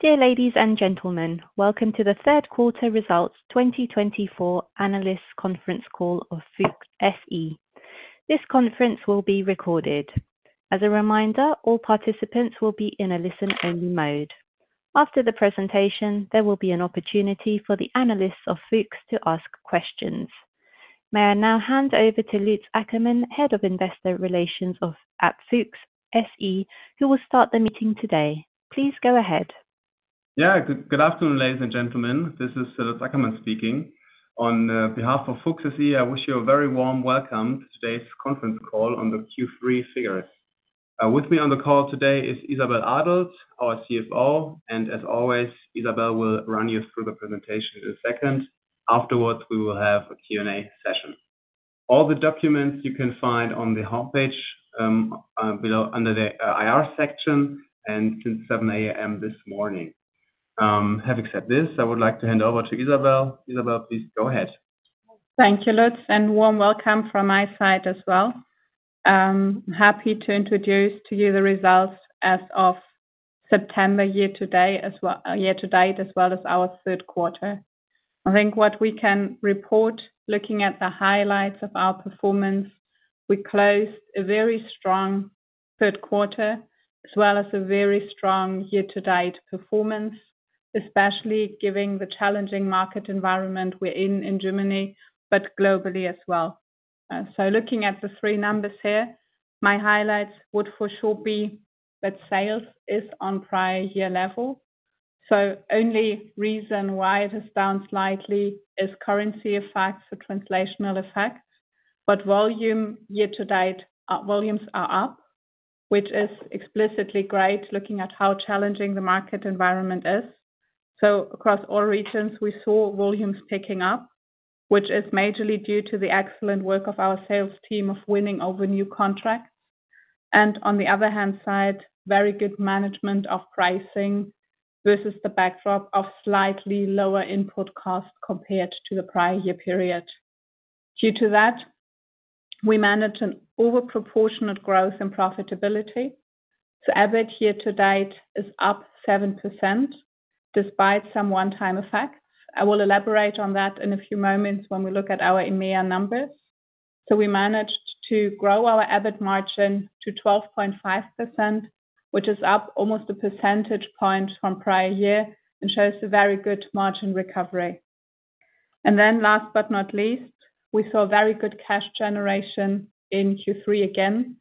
Dear ladies and gentlemen, welcome to the third quarter results 2024 analysts conference call of Fuchs SE. This conference will be recorded. As a reminder, all participants will be in a listen-only mode. After the presentation, there will be an opportunity for the analysts of Fuchs to ask questions. May I now hand over to Lutz Ackermann, Head of Investor Relations at Fuchs SE, who will start the meeting today. Please go ahead. Yeah, good afternoon, ladies and gentlemen. This is Lutz Ackermann speaking. On behalf of Fuchs SE, I wish you a very warm welcome to today's conference call on the Q3 figures. With me on the call today is Isabelle Adelt, our CFO, and as always, Isabelle will run you through the presentation in a second. Afterwards, we will have a Q&A session. All the documents you can find on the homepage under the IR section and since 7:00 A.M. this morning. Having said this, I would like to hand over to Isabelle. Isabelle, please go ahead. Thank you, Lutz, and warm welcome from my side as well. I'm happy to introduce to you the results as of September year-to-date as well as our third quarter. I think what we can report, looking at the highlights of our performance, we closed a very strong third quarter as well as a very strong year-to-date performance, especially given the challenging market environment we're in in Germany, but globally as well. So looking at the three numbers here, my highlights would for sure be that sales is on prior year level. So the only reason why it has bounced slightly is currency effects, the translational effects, but volumes year-to-date, volumes are up, which is explicitly great looking at how challenging the market environment is. So across all regions, we saw volumes picking up, which is majorly due to the excellent work of our sales team of winning over new contracts. On the other hand side, very good management of pricing versus the backdrop of slightly lower input cost compared to the prior year period. Due to that, we managed an overproportionate growth in profitability. So EBIT year-to-date is up 7% despite some one-time effects. I will elaborate on that in a few moments when we look at our EMEA numbers. So we managed to grow our EBIT margin to 12.5%, which is up almost a percentage point from prior year and shows a very good margin recovery. And then last but not least, we saw very good cash generation in Q3 again,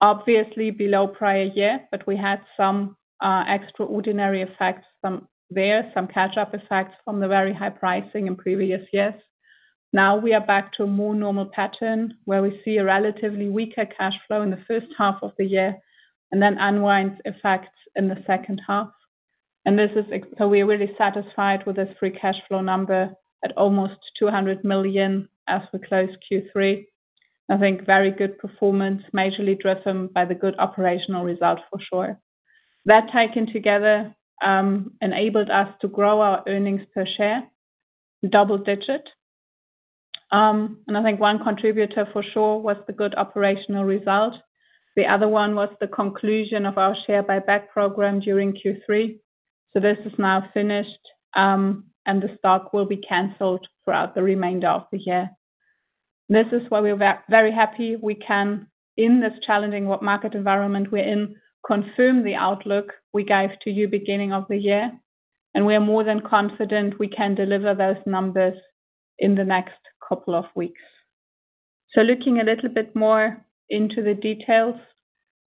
obviously below prior year, but we had some extraordinary effects from there, some catch-up effects from the very high pricing in previous years. Now we are back to a more normal pattern where we see a relatively weaker cash flow in the first half of the year and then unwind effects in the second half. And this is so we are really satisfied with this free cash flow number at almost 200 million as we close Q3. I think very good performance, majorly driven by the good operational result for sure. That taken together enabled us to grow our earnings per share, double-digit. And I think one contributor for sure was the good operational result. The other one was the conclusion of our share buyback program during Q3. So this is now finished and the stock will be canceled throughout the remainder of the year. This is why we're very happy we can, in this challenging market environment we're in, confirm the outlook we gave to you beginning of the year. And we are more than confident we can deliver those numbers in the next couple of weeks. So looking a little bit more into the details,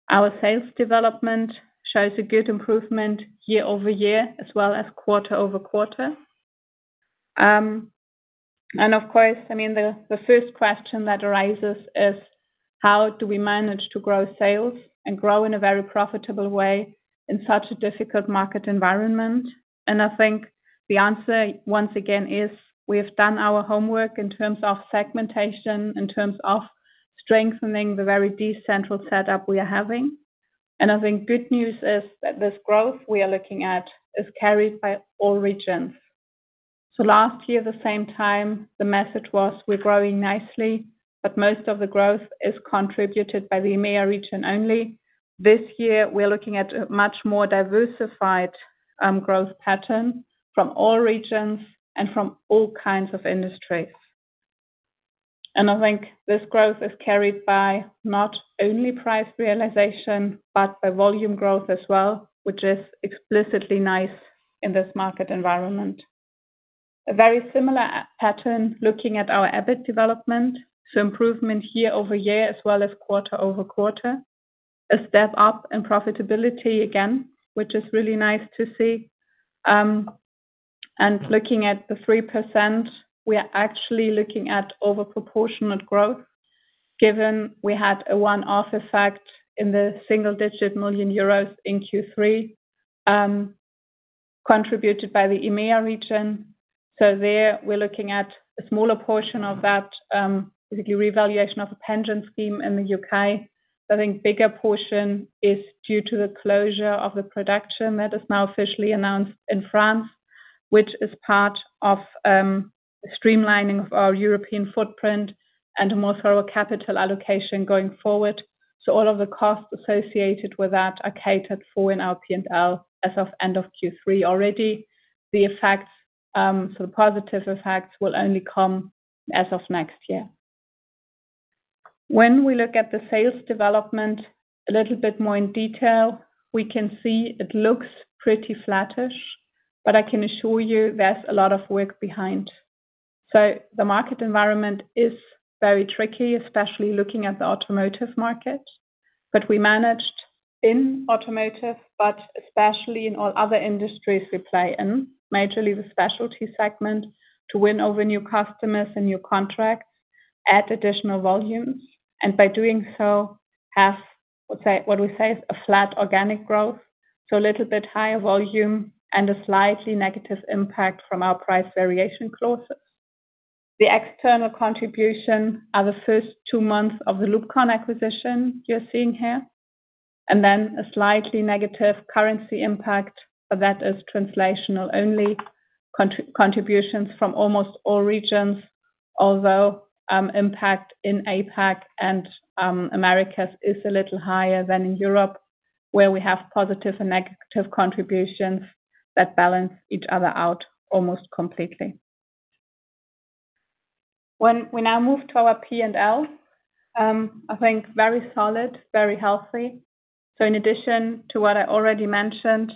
our sales development shows a good improvement year over year as well as quarter over quarter. And of course, I mean, the first question that arises is how do we manage to grow sales and grow in a very profitable way in such a difficult market environment? And I think the answer once again is we have done our homework in terms of segmentation, in terms of strengthening the very decentral setup we are having. And I think good news is that this growth we are looking at is carried by all regions. So last year, at the same time, the message was we're growing nicely, but most of the growth is contributed by the EMEA region only. This year, we're looking at a much more diversified growth pattern from all regions and from all kinds of industries. And I think this growth is carried by not only price realization, but by volume growth as well, which is explicitly nice in this market environment. A very similar pattern looking at our EBIT development, so improvement year over year as well as quarter over quarter, a step up in profitability again, which is really nice to see, and looking at the 3%, we are actually looking at overproportionate growth given we had a one-off effect in the single-digit million EUR in Q3 contributed by the EMEA region, so there we're looking at a smaller portion of that, basically revaluation of a pension scheme in the U.K. I think a bigger portion is due to the closure of the production that is now officially announced in France, which is part of streamlining of our European footprint and a more thorough capital allocation going forward. So all of the costs associated with that are catered for in our P&L as of end of Q3 already. The effects, so the positive effects will only come as of next year. When we look at the sales development a little bit more in detail, we can see it looks pretty flattish, but I can assure you there's a lot of work behind. So the market environment is very tricky, especially looking at the automotive market. But we managed in automotive, but especially in all other industries we play in, majorly the specialty segment, to win over new customers and new contracts, add additional volumes, and by doing so have what we say is a flat organic growth, so a little bit higher volume and a slightly negative impact from our price variation clauses. The external contribution are the first two months of the LUBCON acquisition you're seeing here, and then a slightly negative currency impact, but that is translational only. Contributions from almost all regions, although impact in APAC and Americas is a little higher than in Europe, where we have positive and negative contributions that balance each other out almost completely. When we now move to our P&L, I think very solid, very healthy. In addition to what I already mentioned,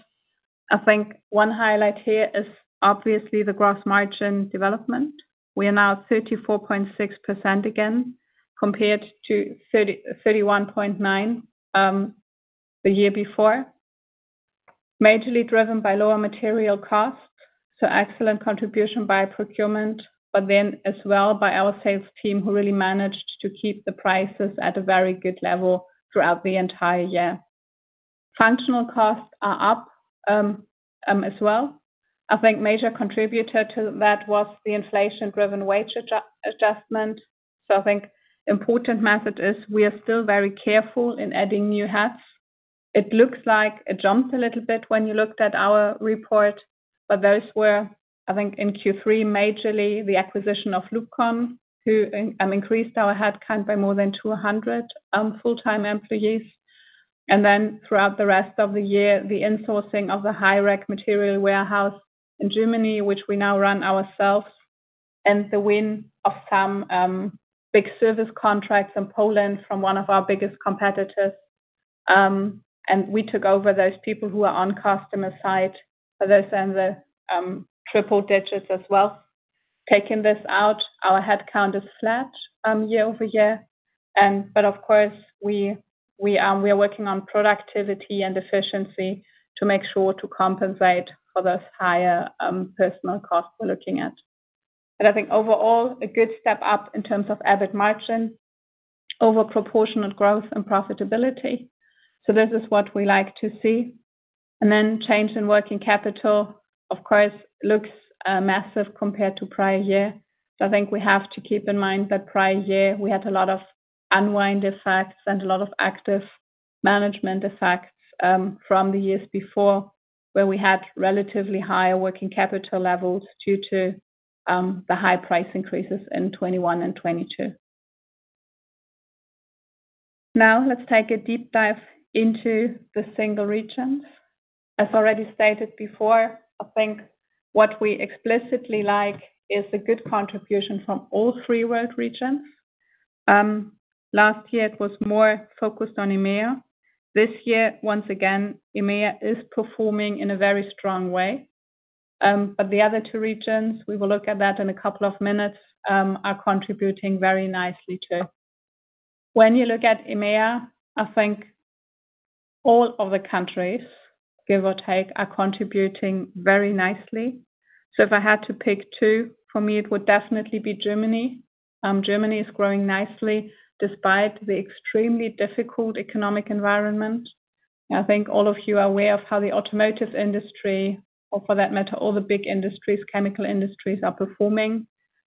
I think one highlight here is obviously the gross margin development. We are now 34.6% again compared to 31.9% the year before, majorly driven by lower material costs, so excellent contribution by procurement, but then as well by our sales team who really managed to keep the prices at a very good level throughout the entire year. Functional costs are up as well. I think a major contributor to that was the inflation-driven wage adjustment. So I think an important method is we are still very careful in adding new heads. It looks like it jumps a little bit when you looked at our report, but those were, I think, in Q3, majorly the acquisition of LUBCON, who increased our headcount by more than 200 full-time employees. Throughout the rest of the year, the insourcing of the high-rack material warehouse in Germany, which we now run ourselves, and the win of some big service contracts in Poland from one of our biggest competitors. We took over those people who are on customer side, but those are in the triple digits as well. Taking this out, our headcount is flat year over year. Of course, we are working on productivity and efficiency to make sure to compensate for those higher personal costs we're looking at. I think overall, a good step up in terms of EBIT margin, overproportionate growth, and profitability. This is what we like to see. Then change in working capital, of course, looks massive compared to prior year. So I think we have to keep in mind that prior year we had a lot of unwind effects and a lot of active management effects from the years before where we had relatively higher working capital levels due to the high price increases in 2021 and 2022. Now let's take a deep dive into the single regions. As already stated before, I think what we explicitly like is a good contribution from all three world regions. Last year, it was more focused on EMEA. This year, once again, EMEA is performing in a very strong way. But the other two regions, we will look at that in a couple of minutes, are contributing very nicely too. When you look at EMEA, I think all of the countries, give or take, are contributing very nicely. So if I had to pick two, for me, it would definitely be Germany. Germany is growing nicely despite the extremely difficult economic environment. I think all of you are aware of how the automotive industry, or for that matter, all the big industries, chemical industries, are performing,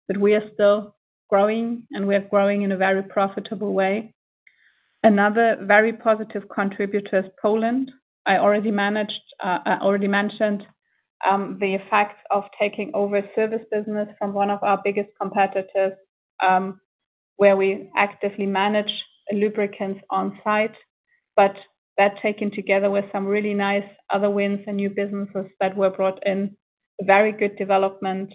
but we are still growing and we are growing in a very profitable way. Another very positive contributor is Poland. I already mentioned the effect of taking over a service business from one of our biggest competitors where we actively manage lubricants on site. But that taken together with some really nice other wins and new businesses that were brought in, very good development.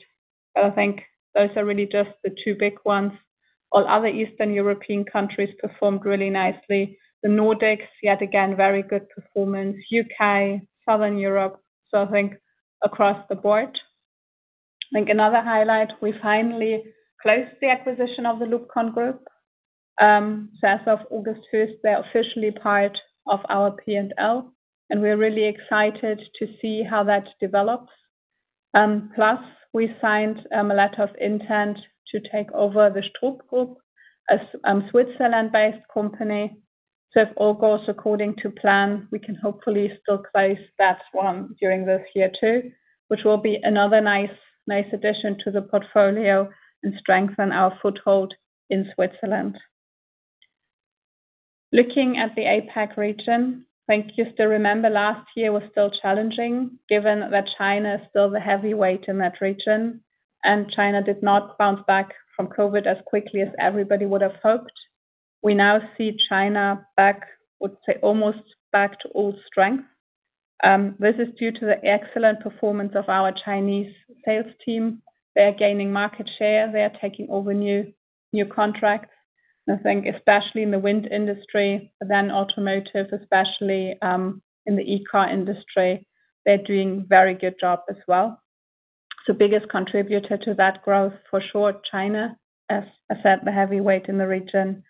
But I think those are really just the two big ones. All other Eastern European countries performed really nicely. The Nordics, yet again, very good performance. U.K., Southern Europe. So I think across the board. I think another highlight, we finally closed the acquisition of the LUBCON Group. So as of August 1st, they're officially part of our P&L, and we're really excited to see how that develops. Plus, we signed a letter of intent to take over the Strub Group, a Switzerland-based company. So if all goes according to plan, we can hopefully still close that one during this year too, which will be another nice addition to the portfolio and strengthen our foothold in Switzerland. Looking at the APAC region, I think you still remember last year was still challenging given that China is still the heavyweight in that region, and China did not bounce back from COVID as quickly as everybody would have hoped. We now see China back, I would say almost back to all strength. This is due to the excellent performance of our Chinese sales team. They're gaining market share. They're taking over new contracts. I think especially in the wind industry, then automotive, especially in the e-car industry, they're doing a very good job as well. So biggest contributor to that growth for sure, China, as I said, the heavyweight in the region.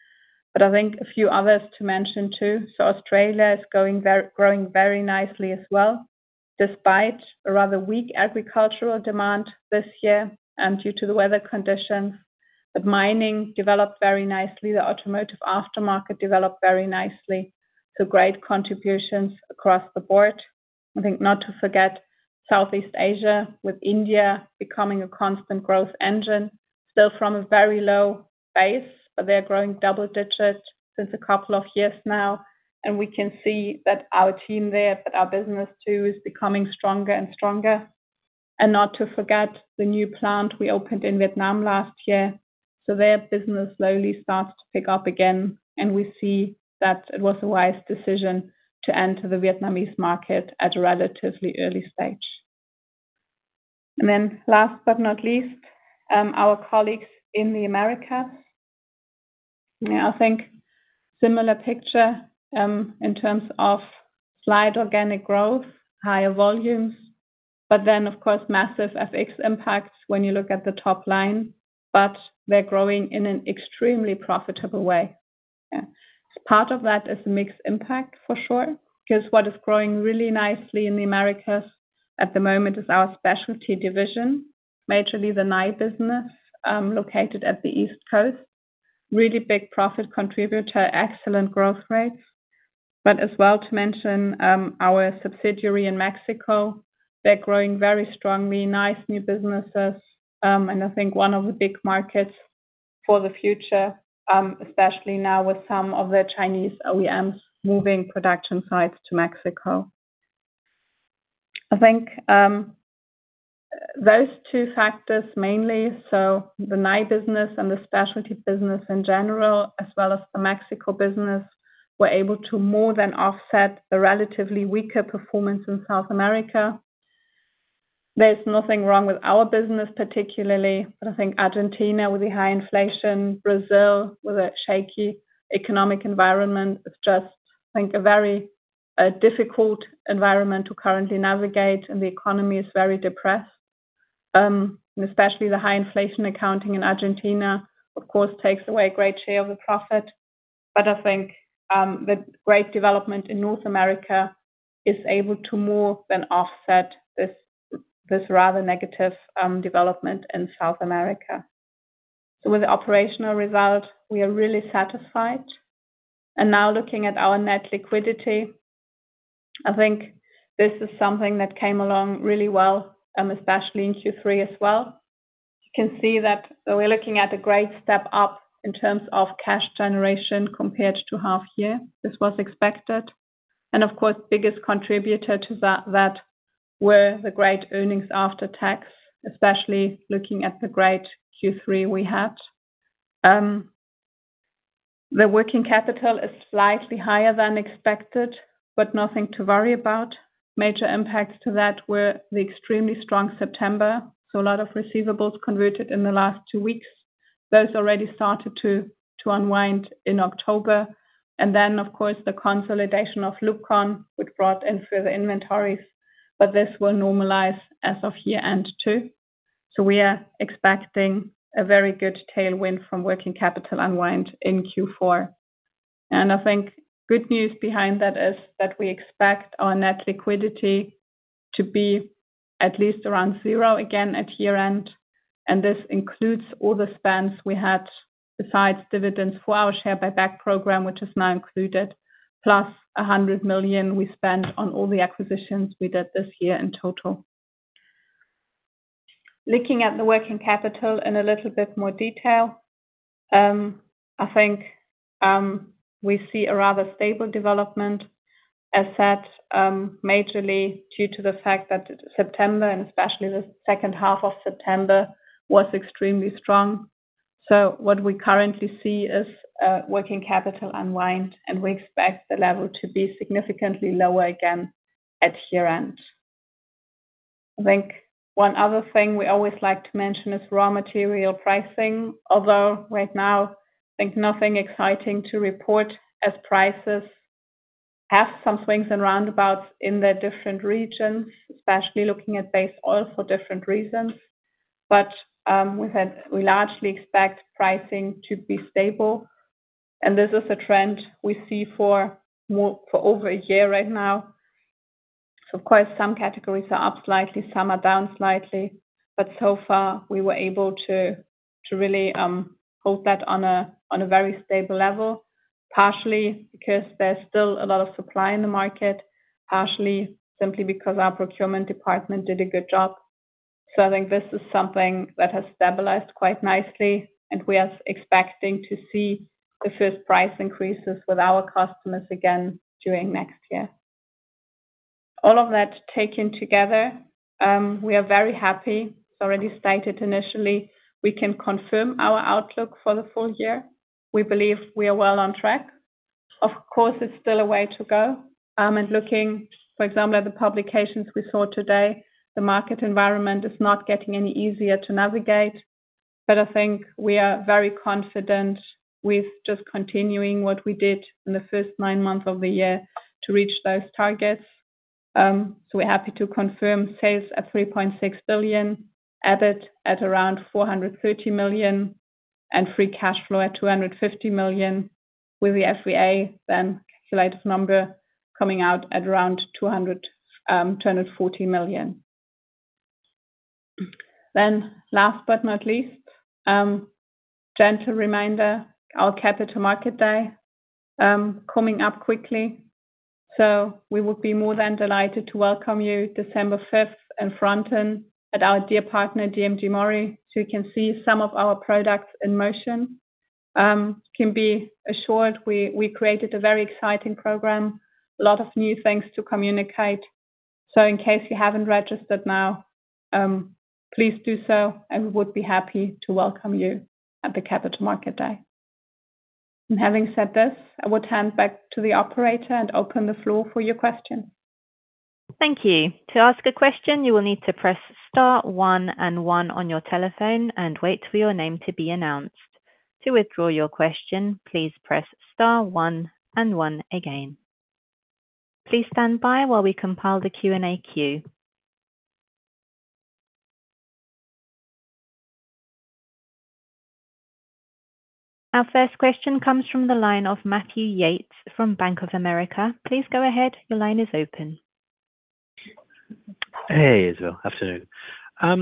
But I think a few others to mention too. So Australia is growing very nicely as well, despite a rather weak agricultural demand this year and due to the weather conditions. But mining developed very nicely. The automotive aftermarket developed very nicely. So great contributions across the board. I think not to forget Southeast Asia with India becoming a constant growth engine, still from a very low base, but they're growing double digits since a couple of years now. And we can see that our team there, but our business too is becoming stronger and stronger. And not to forget the new plant we opened in Vietnam last year. So their business slowly starts to pick up again, and we see that it was a wise decision to enter the Vietnamese market at a relatively early stage. And then last but not least, our colleagues in the Americas. I think similar picture in terms of slight organic growth, higher volumes, but then of course massive FX impacts when you look at the top line, but they're growing in an extremely profitable way. Part of that is mixed impact for sure, because what is growing really nicely in the Americas at the moment is our specialty division, majorly the Nye business located at the East Coast, really big profit contributor, excellent growth rates. But as well to mention our subsidiary in Mexico, they're growing very strongly, nice new businesses. And I think one of the big markets for the future, especially now with some of the Chinese OEMs moving production sites to Mexico. I think those two factors mainly, so the Nye business and the specialty business in general, as well as the Mexico business, were able to more than offset the relatively weaker performance in South America. There's nothing wrong with our business particularly, but I think Argentina with the high inflation, Brazil with a shaky economic environment is just, I think, a very difficult environment to currently navigate, and the economy is very depressed. And especially the high inflation accounting in Argentina, of course, takes away a great share of the profit. But I think the great development in North America is able to more than offset this rather negative development in South America. So with the operational result, we are really satisfied. Now looking at our net liquidity, I think this is something that came along really well, especially in Q3 as well. You can see that we're looking at a great step up in terms of cash generation compared to half year. This was expected. Of course, biggest contributor to that were the great earnings after tax, especially looking at the great Q3 we had. The working capital is slightly higher than expected, but nothing to worry about. Major impacts to that were the extremely strong September, so a lot of receivables converted in the last two weeks. Those already started to unwind in October. Then, of course, the consolidation of LUBCON, which brought in further inventories, but this will normalize as of year-end too. We are expecting a very good tailwind from working capital unwind in Q4. I think good news behind that is that we expect our net liquidity to be at least around zero again at year-end. And this includes all the spends we had besides dividends for our share buyback program, which is now included, plus 100 million we spent on all the acquisitions we did this year in total. Looking at the working capital in a little bit more detail, I think we see a rather stable development, as said, majorly due to the fact that September, and especially the second half of September, was extremely strong. So what we currently see is working capital unwind, and we expect the level to be significantly lower again at year-end. I think one other thing we always like to mention is raw material pricing, although right now, I think nothing exciting to report as prices have some swings and roundabouts in their different regions, especially looking at base oil for different reasons. But we largely expect pricing to be stable. And this is a trend we see for over a year right now. Of course, some categories are up slightly, some are down slightly, but so far we were able to really hold that on a very stable level, partially because there's still a lot of supply in the market, partially simply because our procurement department did a good job. So I think this is something that has stabilized quite nicely, and we are expecting to see the first price increases with our customers again during next year. All of that taken together, we are very happy. It's already stated initially. We can confirm our outlook for the full year. We believe we are well on track. Of course, it's still a way to go, and looking, for example, at the publications we saw today, the market environment is not getting any easier to navigate, but I think we are very confident with just continuing what we did in the first nine months of the year to reach those targets, so we're happy to confirm sales at 3.6 billion, EBIT at around 430 million, and free cash flow at 250 million, with the FCF then calculated number coming out at around 240 million. Then last but not least, gentle reminder, our Capital Market Day coming up quickly. So we would be more than delighted to welcome you December 5th in Pfronten at our dear partner, DMG MORI, so you can see some of our products in motion. You can be assured we created a very exciting program, a lot of new things to communicate. So in case you haven't registered now, please do so, and we would be happy to welcome you at the Capital Market Day. And having said this, I would hand back to the operator and open the floor for your questions. Thank you. To ask a question, you will need to press star one and one on your telephone and wait for your name to be announced. To withdraw your question, please press star one and one again. Please stand by while we compile the Q&A queue. Our first question comes from the line of Matthew Yates from Bank of America. Please go ahead. Your line is open. Hey, Isabelle. Absolutely. A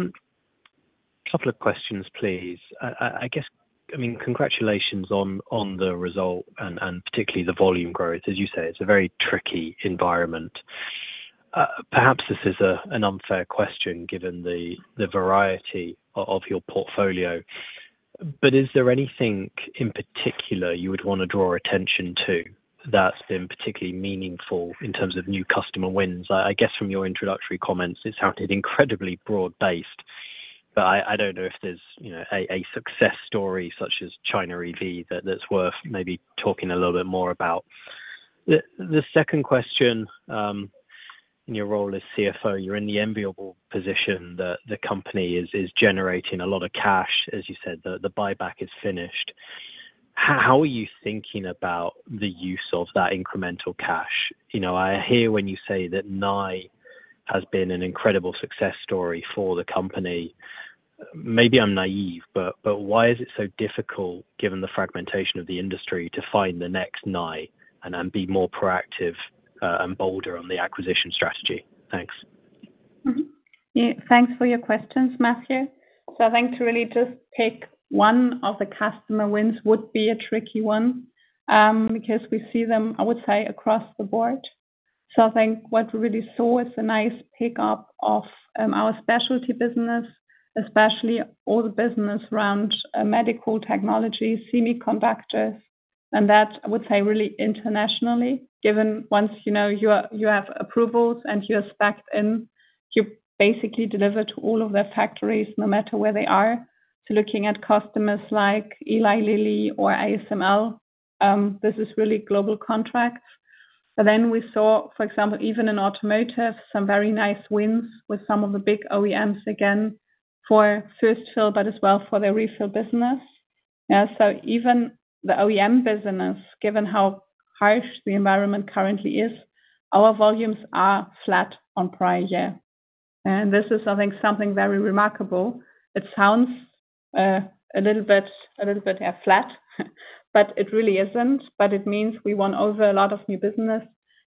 couple of questions, please. I mean, congratulations on the result and particularly the volume growth. As you say, it's a very tricky environment. Perhaps this is an unfair question given the variety of your portfolio. But is there anything in particular you would want to draw attention to that's been particularly meaningful in terms of new customer wins? I guess from your introductory comments, it sounded incredibly broad-based, but I don't know if there's a success story such as China EV that's worth maybe talking a little bit more about. The second question, in your role as CFO, you're in the enviable position that the company is generating a lot of cash. As you said, the buyback is finished. How are you thinking about the use of that incremental cash? I hear when you say that Nye has been an incredible success story for the company. Maybe I'm naive, but why is it so difficult, given the fragmentation of the industry, to find the next Nye and be more proactive and bolder on the acquisition strategy? Thanks. Thanks for your questions, Matthew. So I think to really just pick one of the customer wins would be a tricky one because we see them, I would say, across the board. So I think what we really saw is a nice pickup of our specialty business, especially all the business around medical technology, semiconductors, and that, I would say, really internationally, given once you have approvals and you're stacked in, you basically deliver to all of their factories, no matter where they are. So looking at customers like Eli Lilly or ASML, this is really global contracts. But then we saw, for example, even in automotive, some very nice wins with some of the big OEMs again for first fill, but as well for their refill business. So even the OEM business, given how harsh the environment currently is, our volumes are flat on prior year. This is, I think, something very remarkable. It sounds a little bit flat, but it really isn't. It means we won over a lot of new business,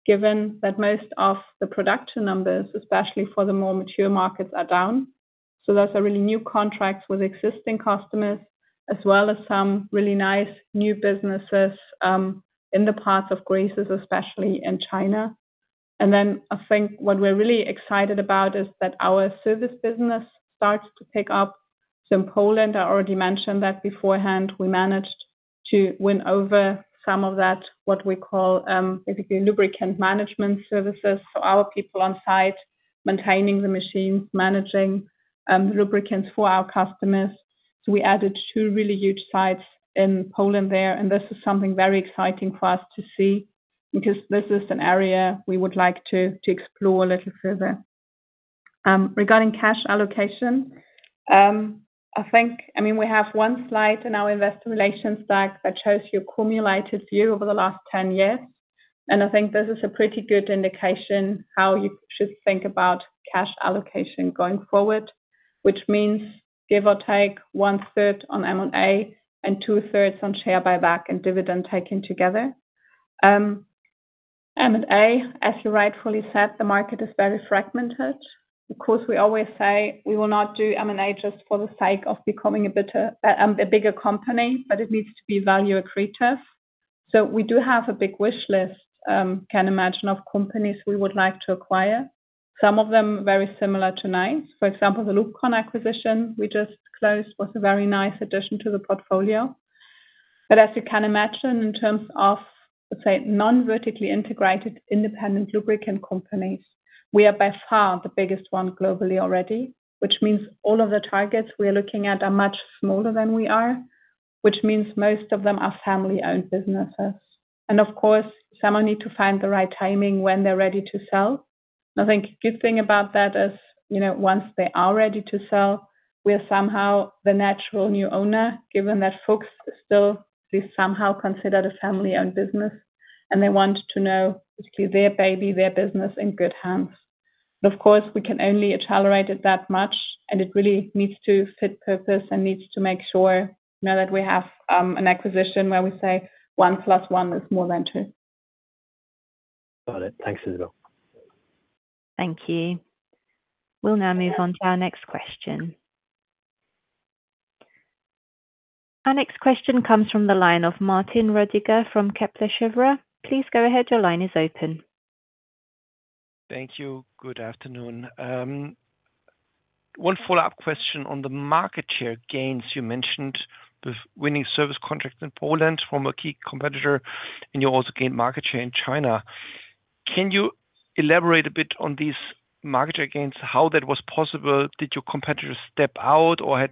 given that most of the production numbers, especially for the more mature markets, are down. There's a really new contract with existing customers, as well as some really nice new businesses in the parts of grease, especially in China. Then I think what we're really excited about is that our service business starts to pick up. In Poland, I already mentioned that beforehand, we managed to win over some of that, what we call basically lubricant management services. Our people on site maintaining the machines, managing the lubricants for our customers. We added two really huge sites in Poland there. This is something very exciting for us to see because this is an area we would like to explore a little further. Regarding cash allocation, I think, I mean, we have one slide in our investor relations deck that shows you a cumulative view over the last 10 years. I think this is a pretty good indication how you should think about cash allocation going forward, which means give or take one third on M&A and two thirds on share buyback and dividend taken together. M&A, as you rightfully said, the market is very fragmented. Of course, we always say we will not do M&A just for the sake of becoming a bigger company, but it needs to be value accretive. So we do have a big wish list, can imagine, of companies we would like to acquire. Some of them very similar to Nye's. For example, the LUBCON acquisition we just closed was a very nice addition to the portfolio. But as you can imagine, in terms of, let's say, non-vertically integrated independent lubricant companies, we are by far the biggest one globally already, which means all of the targets we are looking at are much smaller than we are, which means most of them are family-owned businesses. And of course, someone needs to find the right timing when they're ready to sell. And I think a good thing about that is once they are ready to sell, we are somehow the natural new owner, given that Fuchs is still somehow considered a family-owned business, and they want to know their baby, their business in good hands. But of course, we can only accelerate it that much, and it really needs to fit purpose and needs to make sure that we have an acquisition where we say one plus one is more than two. Got it. Thanks, Isabelle. Thank you. We'll now move on to our next question. Our next question comes from the line of Martin Roediger from Kepler Cheuvreux. Please go ahead. Your line is open. Thank you. Good afternoon. One follow-up question on the market share gains. You mentioned winning service contracts in Poland from a key competitor, and you also gained market share in China. Can you elaborate a bit on these market share gains, how that was possible? Did your competitors step out, or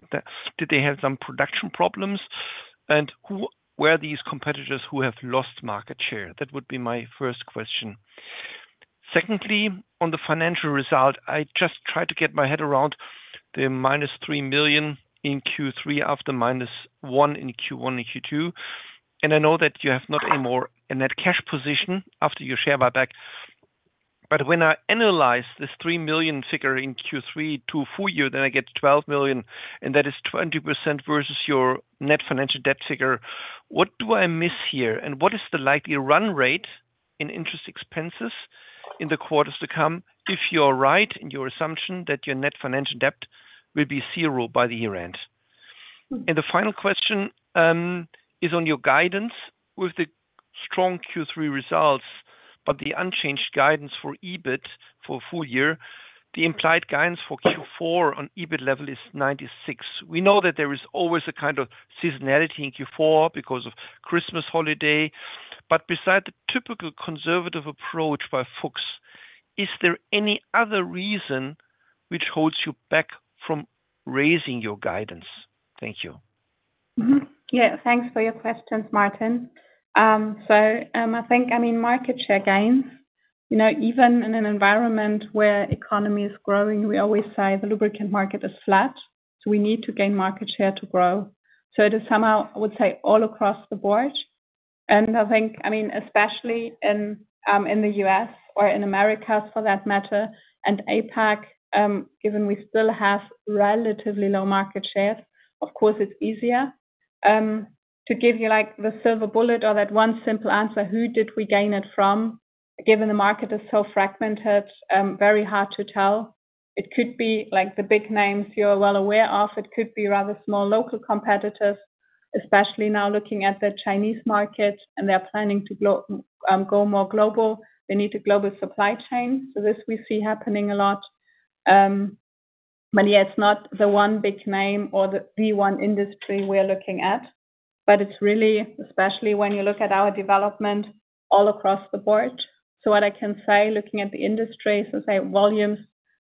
did they have some production problems? And who were these competitors who have lost market share? That would be my first question. Secondly, on the financial result, I just tried to get my head around the minus 3 million in Q3 after minus 1 million in Q1 and Q2. And I know that you have now a more net cash position after your share buyback. But when I analyze this 3 million figure in Q3 to full year, then I get 12 million, and that is 20% versus your net financial debt figure. What do I miss here? And what is the likely run rate in interest expenses in the quarters to come if you're right in your assumption that your net financial debt will be zero by the year-end? And the final question is on your guidance with the strong Q3 results, but the unchanged guidance for EBIT for full year. The implied guidance for Q4 on EBIT level is 96. We know that there is always a kind of seasonality in Q4 because of Christmas holiday. But besides the typical conservative approach by Fuchs, is there any other reason which holds you back from raising your guidance? Thank you. Yeah. Thanks for your questions, Martin. So I think, I mean, market share gains, even in an environment where the economy is growing, we always say the lubricant market is flat. So we need to gain market share to grow. So it is somehow, I would say, all across the board. And I think, I mean, especially in the U.S. or in America, for that matter, and APAC, given we still have relatively low market shares, of course, it's easier to give you the silver bullet or that one simple answer, who did we gain it from? Given the market is so fragmented, very hard to tell. It could be the big names you're well aware of. It could be rather small local competitors, especially now looking at the Chinese market, and they're planning to go more global. They need a global supply chain. So this we see happening a lot. But yeah, it's not the one big name or the one industry we're looking at, but it's really, especially when you look at our development all across the board. So what I can say, looking at the industry, so say volumes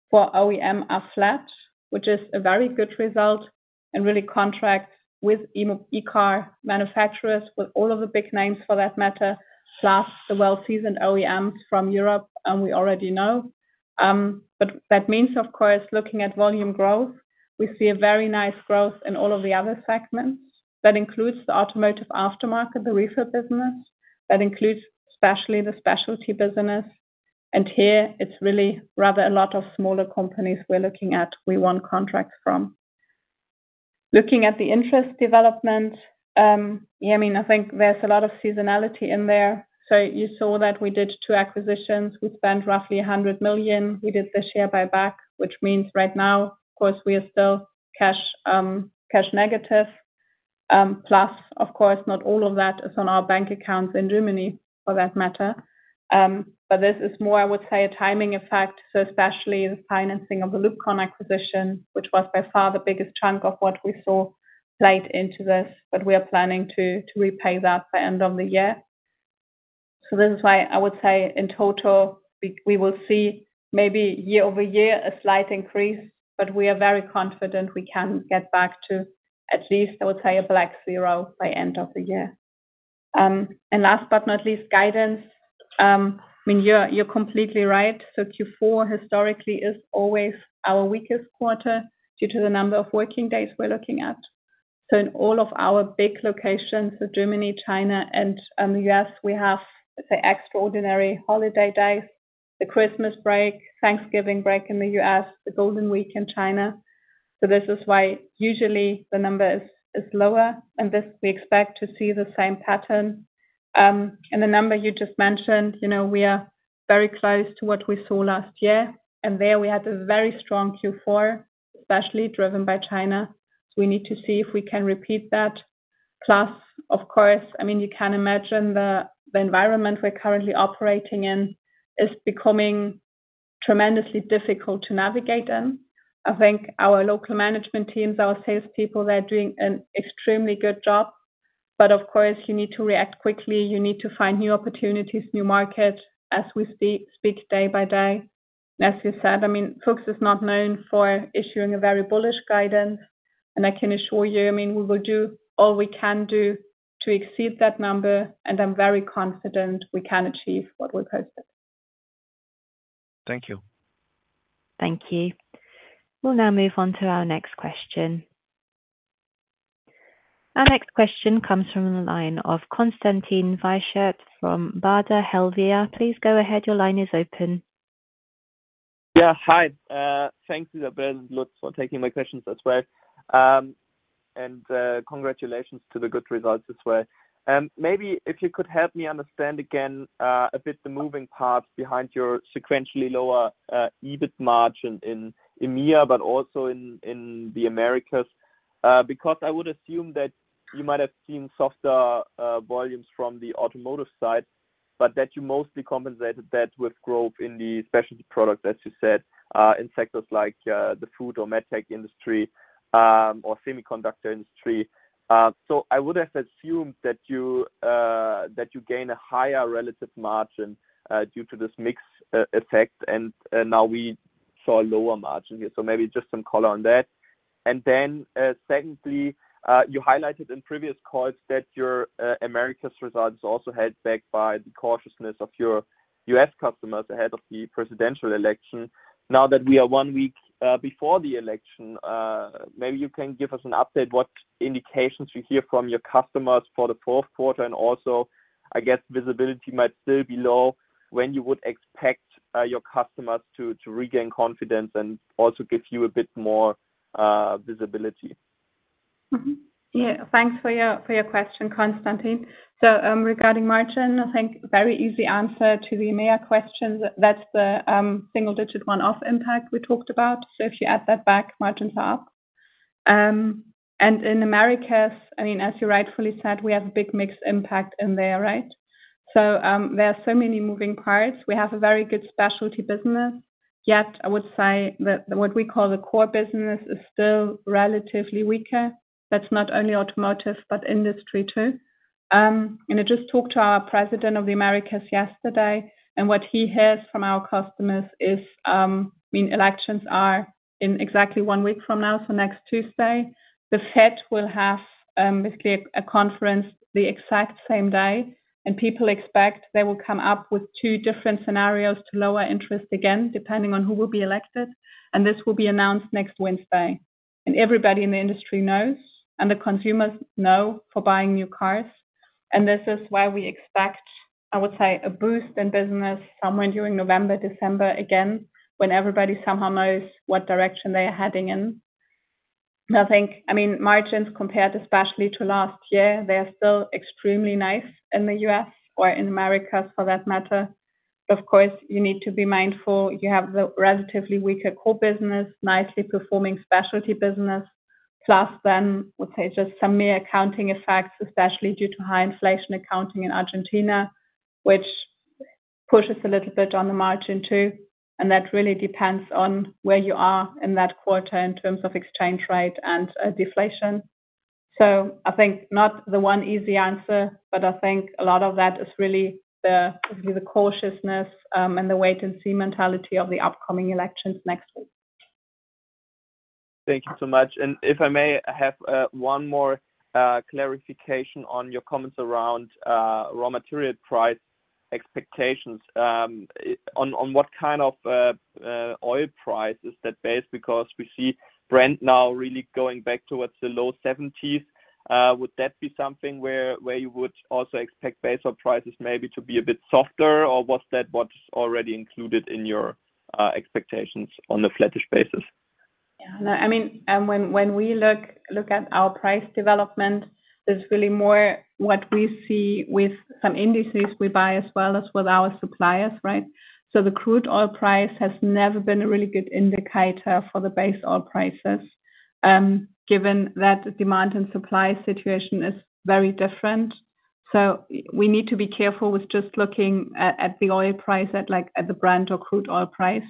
for OEM are flat, which is a very good result and really contracts with e-car manufacturers, with all of the big names for that matter, plus the well-seasoned OEMs from Europe we already know. But that means, of course, looking at volume growth, we see a very nice growth in all of the other segments. That includes the automotive aftermarket, the refill business. That includes especially the specialty business. And here, it's really rather a lot of smaller companies we're looking at we won contracts from. Looking at the interest development, yeah, I mean, I think there's a lot of seasonality in there. So you saw that we did two acquisitions. We spent roughly 100 million. We did the share buyback, which means right now, of course, we are still cash negative. Plus, of course, not all of that is on our bank accounts in Germany, for that matter. But this is more, I would say, a timing effect. So especially the financing of the LUBCON acquisition, which was by far the biggest chunk of what we saw played into this, but we are planning to repay that by the end of the year. So this is why I would say in total, we will see maybe year over year a slight increase, but we are very confident we can get back to at least, I would say, a black zero by the end of the year. And last but not least, guidance. I mean, you're completely right. So Q4 historically is always our weakest quarter due to the number of working days we're looking at. So in all of our big locations, so Germany, China, and the US, we have the extraordinary holiday days, the Christmas break, Thanksgiving break in the US, the Golden Week in China. So this is why usually the number is lower, and this we expect to see the same pattern. And the number you just mentioned, we are very close to what we saw last year. And there we had a very strong Q4, especially driven by China. So we need to see if we can repeat that. Plus, of course, I mean, you can imagine the environment we're currently operating in is becoming tremendously difficult to navigate in. I think our local management teams, our salespeople, they're doing an extremely good job. But of course, you need to react quickly. You need to find new opportunities, new markets as we speak day by day. And as you said, I mean, Fuchs is not known for issuing a very bullish guidance. And I can assure you, I mean, we will do all we can do to exceed that number. And I'm very confident we can achieve what we've hosted. Thank you. Thank you. We'll now move on to our next question. Our next question comes from the line of Konstantin Weichert from Baader Helvea. Please go ahead. Your line is open. Yeah. Hi. Thank you, Isabelle and Lutz, for taking my questions as well. And congratulations to the good results as well. Maybe if you could help me understand again a bit the moving parts behind your sequentially lower EBIT margin in EMEA, but also in the Americas, because I would assume that you might have seen softer volumes from the automotive side, but that you mostly compensated that with growth in the specialty products, as you said, in sectors like the food or medtech industry or semiconductor industry. So I would have assumed that you gain a higher relative margin due to this mixed effect, and now we saw a lower margin here. So maybe just some color on that. And then secondly, you highlighted in previous calls that your Americas results also held back by the cautiousness of your U.S. customers ahead of the presidential election. Now that we are one week before the election, maybe you can give us an update on what indications you hear from your customers for the fourth quarter. And also, I guess visibility might still be low when you would expect your customers to regain confidence and also give you a bit more visibility? Yeah. Thanks for your question, Konstantin. So regarding margin, I think very easy answer to the EMEA questions. That's the single-digit one-off impact we talked about. So if you add that back, margins are up. And in Americas, I mean, as you rightfully said, we have a big mixed impact in there, right? So there are so many moving parts. We have a very good specialty business, yet I would say that what we call the core business is still relatively weaker. That's not only automotive, but industry too. And I just talked to our president of the Americas yesterday, and what he hears from our customers is, I mean, elections are in exactly one week from now, so next Tuesday. The Fed will have basically a conference the exact same day, and people expect they will come up with two different scenarios to lower interest again, depending on who will be elected, and this will be announced next Wednesday, and everybody in the industry knows, and the consumers know for buying new cars, and this is why we expect, I would say, a boost in business somewhere during November, December again, when everybody somehow knows what direction they are heading in. I think, I mean, margins compared especially to last year, they are still extremely nice in the U.S. or in Americas for that matter. Of course, you need to be mindful. You have the relatively weaker core business, nicely performing specialty business, plus then, I would say, just some mere accounting effects, especially due to high inflation accounting in Argentina, which pushes a little bit on the margin too. And that really depends on where you are in that quarter in terms of exchange rate and deflation. So I think not the one easy answer, but I think a lot of that is really the cautiousness and the wait-and-see mentality of the upcoming elections next week. Thank you so much, and if I may have one more clarification on your comments around raw material price expectations, on what kind of oil price is that based? Because we see Brent now really going back towards the low 70s. Would that be something where you would also expect base oil prices maybe to be a bit softer, or was that what's already included in your expectations on the flattish basis? Yeah. No, I mean, when we look at our price development, it's really more what we see with some indices we buy as well as with our suppliers, right? So the crude oil price has never been a really good indicator for the base oil prices, given that the demand and supply situation is very different. So we need to be careful with just looking at the oil price at the Brent or crude oil price,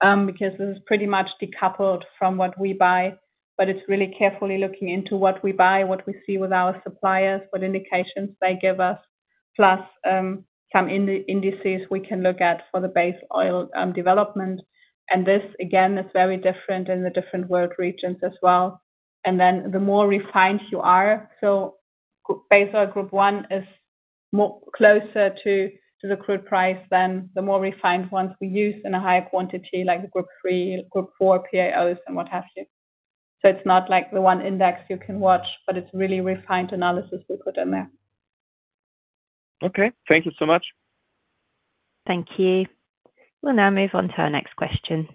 because this is pretty much decoupled from what we buy. But it's really carefully looking into what we buy, what we see with our suppliers, what indications they give us, plus some indices we can look at for the base oil development, and this, again, is very different in the different world regions as well. The more refined you are, so baseline Group I is closer to the crude price than the more refined ones we use in a higher quantity, like Group III, Group IV PAOs, and what have you. It's not like the one index you can watch, but it's really refined analysis we put in there. Okay. Thank you so much. Thank you. We'll now move on to our next question.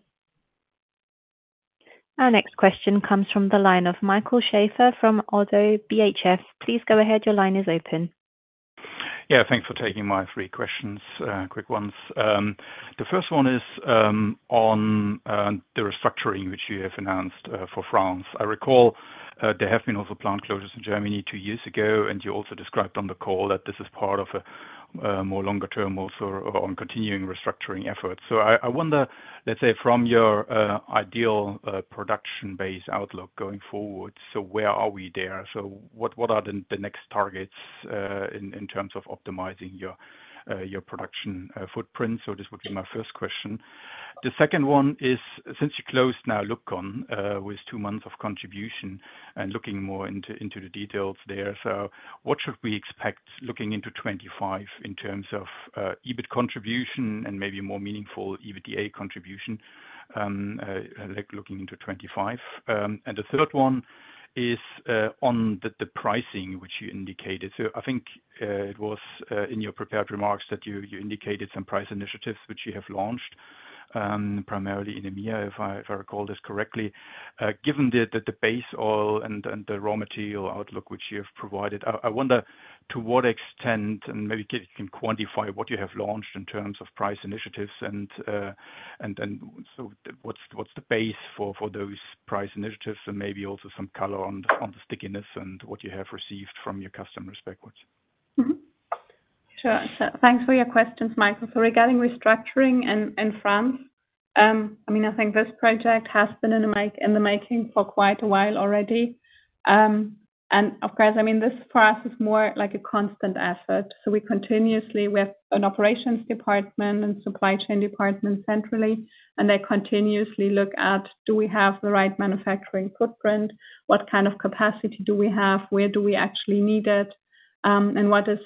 Our next question comes from the line of Michael Schaefer from ODDO BHF. Please go ahead. Your line is open. Yeah. Thanks for taking my three questions, quick ones. The first one is on the restructuring which you have announced for France. I recall there have been also plant closures in Germany two years ago, and you also described on the call that this is part of a more longer-term also on continuing restructuring efforts. So I wonder, let's say, from your ideal production base outlook going forward, so where are we there? So what are the next targets in terms of optimizing your production footprint? So this would be my first question. The second one is, since you closed now LUBCON with two months of contribution and looking more into the details there, so what should we expect looking into 2025 in terms of EBIT contribution and maybe more meaningful EBITDA contribution looking into 2025? And the third one is on the pricing which you indicated. So I think it was in your prepared remarks that you indicated some price initiatives which you have launched, primarily in EMEA, if I recall this correctly. Given the base oil and the raw material outlook which you have provided, I wonder to what extent, and maybe you can quantify what you have launched in terms of price initiatives, and so what's the base for those price initiatives, and maybe also some color on the stickiness and what you have received from your customers pushback? Sure. So thanks for your questions, Michael. So regarding restructuring in France, I mean, I think this project has been in the making for quite a while already. And of course, I mean, this for us is more like a constant effort. So we continuously have an operations department and supply chain department centrally, and they continuously look at, do we have the right manufacturing footprint? What kind of capacity do we have? Where do we actually need it? And what is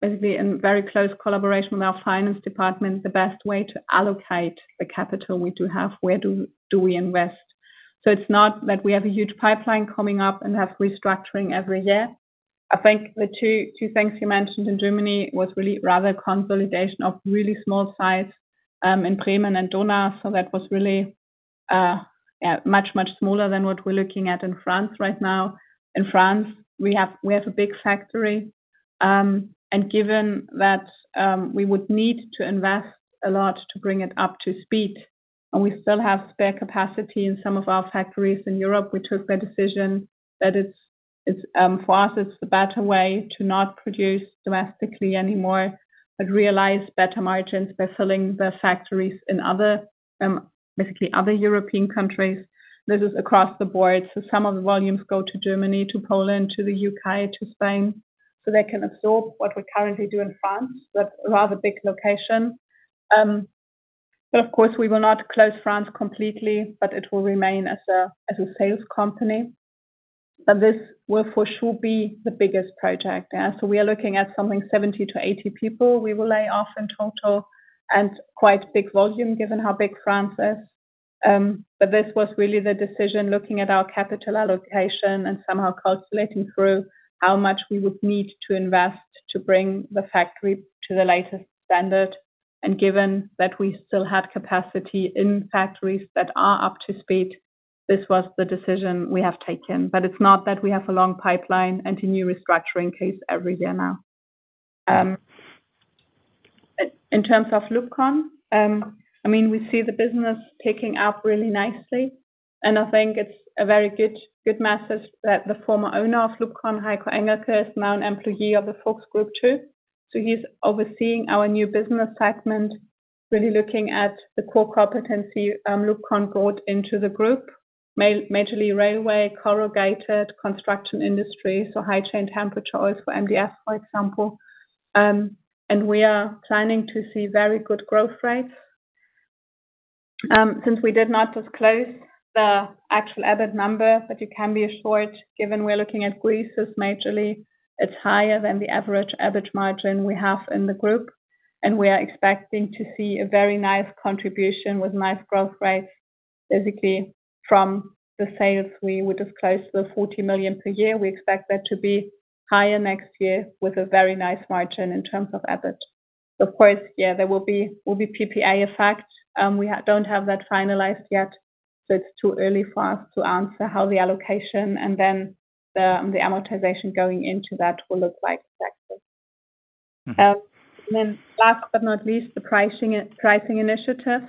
basically in very close collaboration with our finance department, the best way to allocate the capital we do have? Where do we invest? So it's not that we have a huge pipeline coming up and have restructuring every year. I think the two things you mentioned in Germany was really rather consolidation of really small size in Bremen and Dohna. That was really much, much smaller than what we're looking at in France right now. In France, we have a big factory. And given that we would need to invest a lot to bring it up to speed, and we still have spare capacity in some of our factories in Europe, we took the decision that for us, it's the better way to not produce domestically anymore, but realize better margins by filling the factories in basically other European countries. This is across the board. Some of the volumes go to Germany, to Poland, to the U.K., to Spain. So they can absorb what we currently do in France, but a rather big location. But of course, we will not close France completely, but it will remain as a sales company. But this will for sure be the biggest project. So, we are looking at something 70-80 people we will lay off in total and quite big volume given how big France is. But this was really the decision looking at our capital allocation and somehow calculating through how much we would need to invest to bring the factory to the latest standard. And given that we still had capacity in factories that are up to speed, this was the decision we have taken. But it's not that we have a long pipeline and a new restructuring case every year now. In terms of LUBCON, I mean, we see the business picking up really nicely. And I think it's a very good message that the former owner of LUBCON, Heiko Engelke, is now an employee of the Fuchs Group too. So he's overseeing our new business segment, really looking at the core competency LUBCON brought into the group, majorly railway, corrugated, construction industry, so high chain temperature oils for MDF, for example. And we are planning to see very good growth rates. Since we did not disclose the actual EBIT number, but you can be assured, given we're looking at greases majorly, it's higher than the average EBIT margin we have in the group. And we are expecting to see a very nice contribution with nice growth rates. Basically, from the sales we disclosed for 40 million per year, we expect that to be higher next year with a very nice margin in terms of EBIT. Of course, yeah, there will be PPA effect. We don't have that finalized yet, so it's too early for us to answer how the allocation and then the amortization going into that will look like exactly. And then last but not least, the pricing initiatives.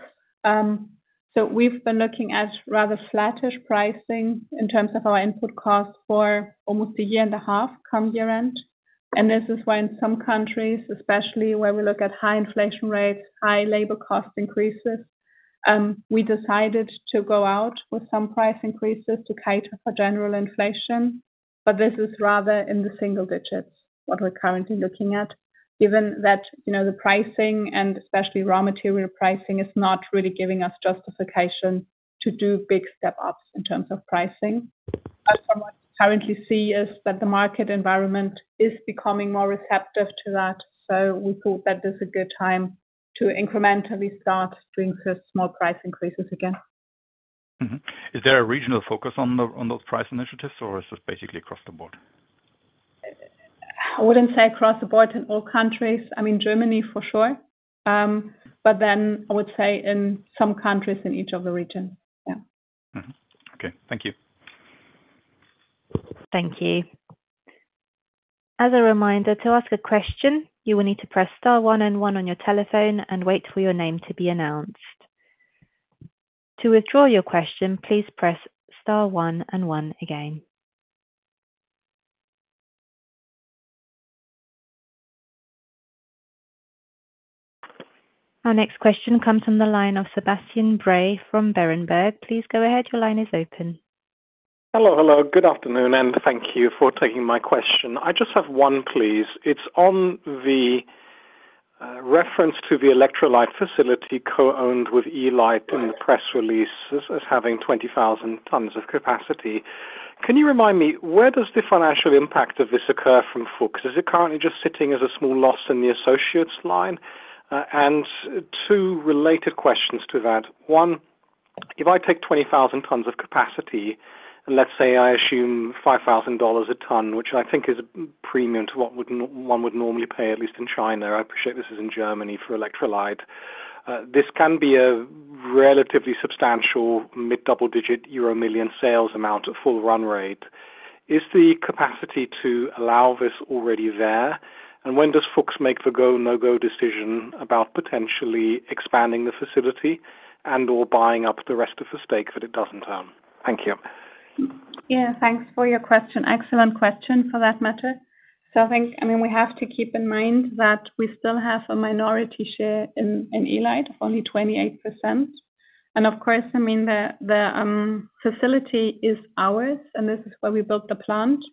So we've been looking at rather flattish pricing in terms of our input cost for almost a year and a half coming year end. And this is why in some countries, especially where we look at high inflation rates, high labor cost increases, we decided to go out with some price increases to cater for general inflation. But this is rather in the single digits what we're currently looking at, given that the pricing, and especially raw material pricing, is not really giving us justification to do big step-ups in terms of pricing. But from what we currently see is that the market environment is becoming more receptive to that. We thought that this is a good time to incrementally start doing some more price increases again. Is there a regional focus on those price initiatives, or is this basically across the board? I wouldn't say across the board in all countries. I mean, Germany for sure, but then I would say in some countries in each of the regions. Yeah. Okay. Thank you. Thank you. As a reminder, to ask a question, you will need to press star one and one on your telephone and wait for your name to be announced. To withdraw your question, please press star one and one again. Our next question comes from the line of Sebastian Bray from Berenberg. Please go ahead. Your line is open. Hello. Hello. Good afternoon, and thank you for taking my question. I just have one, please. It's on the reference to the electrolyte facility co-owned with E-Lyte in the press release as having 20,000 tons of capacity. Can you remind me, where does the financial impact of this occur from Fuchs? Is it currently just sitting as a small loss in the associates line? And two related questions to that. One, if I take 20,000 tons of capacity, and let's say I assume $5,000 a ton, which I think is premium to what one would normally pay, at least in China. I appreciate this is in Germany for electrolyte. This can be a relatively substantial mid-double-digit EUR million sales amount at full run rate. Is the capacity to allow this already there? When does Fuchs make the go, no-go decision about potentially expanding the facility and/or buying up the rest of the stake that it doesn't own? Thank you. Yeah. Thanks for your question. Excellent question for that matter. So I think, I mean, we have to keep in mind that we still have a minority share in E-Lyte of only 28%. And of course, I mean, the facility is ours, and this is where we built the plant,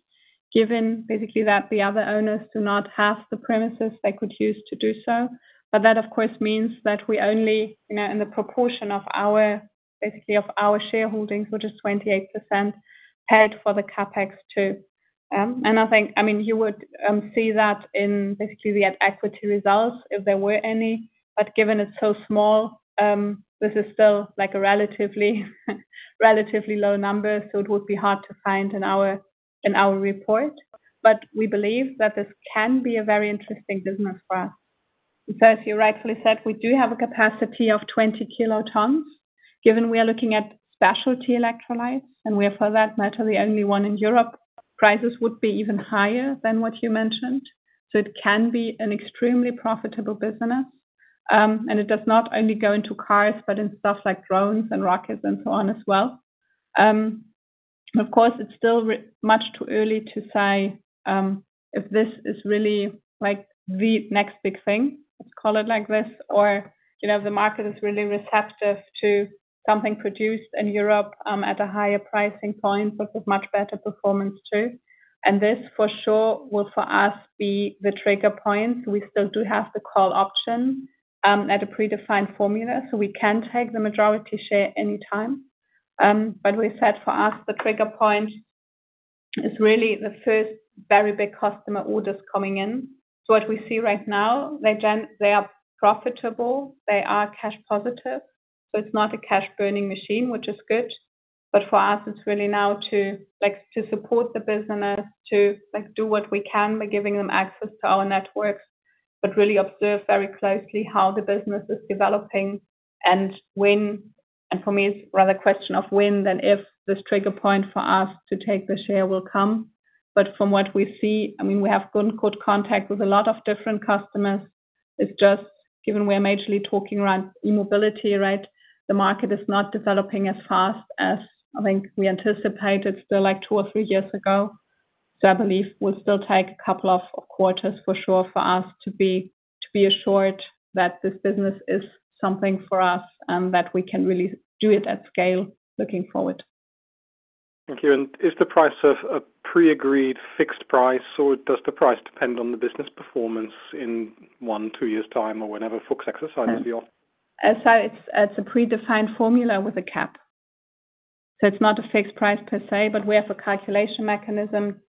given basically that the other owners do not have the premises they could use to do so. But that, of course, means that we only, in the proportion of our shareholdings, which is 28%, paid for the CapEx too. And I think, I mean, you would see that in basically the equity results if there were any. But given it's so small, this is still a relatively low number, so it would be hard to find in our report. But we believe that this can be a very interesting business for us. So as you rightfully said, we do have a capacity of 20 kilotons. Given we are looking at specialty electrolytes, and we are, for that matter, the only one in Europe, prices would be even higher than what you mentioned. So it can be an extremely profitable business. And it does not only go into cars, but in stuff like drones and rockets and so on as well. Of course, it's still much too early to say if this is really the next big thing, let's call it like this, or the market is really receptive to something produced in Europe at a higher pricing point, but with much better performance too. And this for sure will, for us, be the trigger point. We still do have the call option at a predefined formula, so we can take the majority share any time. But we said for us, the trigger point is really the first very big customer orders coming in. So what we see right now, they are profitable. They are cash positive. So it's not a cash burning machine, which is good. But for us, it's really now to support the business, to do what we can by giving them access to our networks, but really observe very closely how the business is developing. And for me, it's rather a question of when than if this trigger point for us to take the share will come. But from what we see, I mean, we have good contact with a lot of different customers. It's just, given we are majorly talking around e-mobility, right, the market is not developing as fast as I think we anticipated still like two or three years ago. So I believe we'll still take a couple of quarters for sure for us to be assured that this business is something for us and that we can really do it at scale looking forward. Thank you, and is the price a pre-agreed fixed price, or does the price depend on the business performance in one, two years' time or whenever Fuchs exercises the offer? So it's a predefined formula with a cap. So it's not a fixed price per se, but we have a calculation mechanism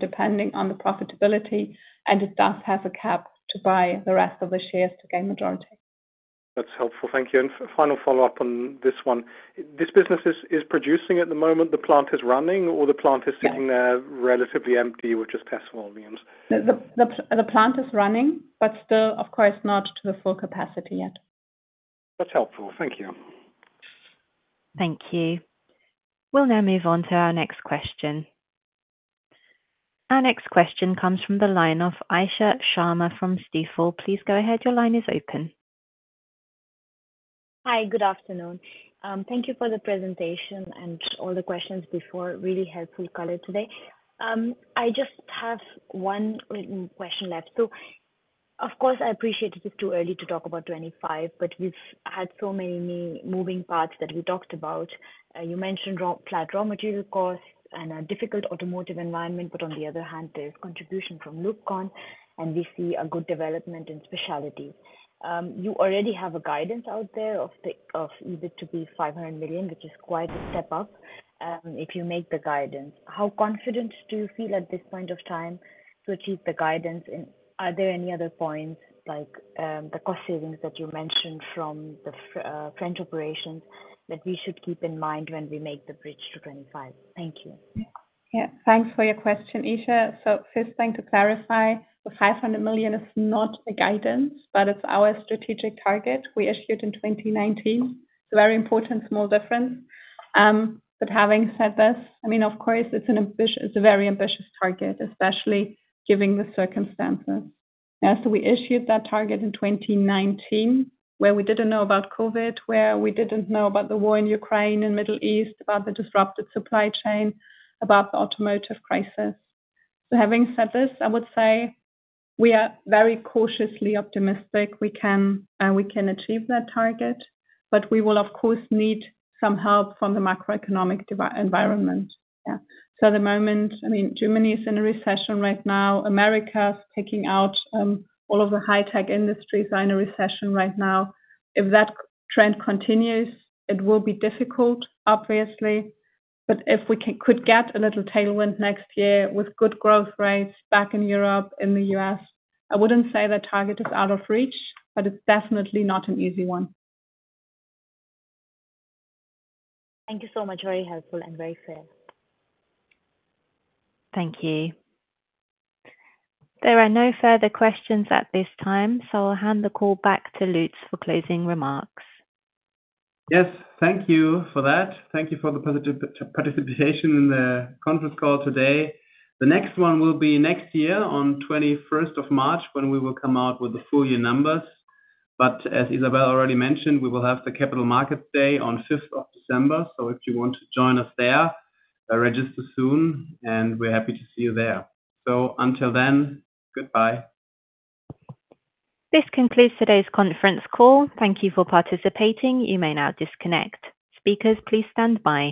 depending on the profitability, and it does have a cap to buy the rest of the shares to gain majority. That's helpful. Thank you. And, final follow-up on this one. This business is producing at the moment? The plant is running, or the plant is sitting there relatively empty with just test volumes? The plant is running, but still, of course, not to the full capacity yet. That's helpful. Thank you. Thank you. We'll now move on to our next question. Our next question comes from the line of Isha Sharma from Stifel. Please go ahead. Your line is open. Hi. Good afternoon. Thank you for the presentation and all the questions before. Really helpful color today. I just have one question left. So of course, I appreciate it is too early to talk about 2025, but we've had so many moving parts that we talked about. You mentioned flat raw material costs and a difficult automotive environment, but on the other hand, there's contribution from LUBCON, and we see a good development in specialty. You already have a guidance out there of EBIT to be 500 million, which is quite a step up if you make the guidance. How confident do you feel at this point of time to achieve the guidance? And are there any other points, like the cost savings that you mentioned from the French operations, that we should keep in mind when we make the bridge to 2025? Thank you. Yeah. Thanks for your question, Isha. So first, I think to clarify, the 500 million is not a guidance, but it's our strategic target. We issued it in 2019. It's a very important small difference. But having said this, I mean, of course, it's a very ambitious target, especially given the circumstances. We issued that target in 2019, where we didn't know about COVID, where we didn't know about the war in Ukraine and Middle East, about the disrupted supply chain, about the automotive crisis. Having said this, I would say we are very cautiously optimistic we can achieve that target, but we will, of course, need some help from the macroeconomic environment. Yeah. At the moment, I mean, Germany is in a recession right now. The U.S. is picking up, but all of the high-tech industries are in a recession right now. If that trend continues, it will be difficult, obviously. But if we could get a little tailwind next year with good growth rates back in Europe, in the U.S., I wouldn't say the target is out of reach, but it's definitely not an easy one. Thank you so much. Very helpful and very fair. Thank you. There are no further questions at this time, so I'll hand the call back to Lutz for closing remarks. Yes. Thank you for that. Thank you for the participation in the conference call today. The next one will be next year on 21st of March when we will come out with the full year numbers. But as Isabelle already mentioned, we will have the Capital Market Day on 5th of December. So if you want to join us there, register soon, and we're happy to see you there. So until then, goodbye. This concludes today's conference call. Thank you for participating. You may now disconnect. Speakers, please stand by.